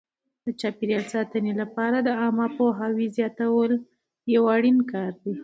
د چاپیریال ساتنې لپاره د عامه پوهاوي زیاتول یو اړین کار دی.